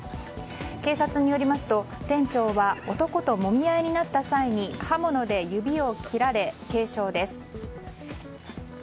警察によりますと、店長は男ともみ合いになった際に刃物で指を切られ軽傷です。